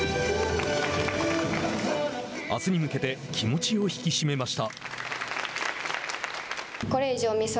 あすに向けて気持ちを引き締めました。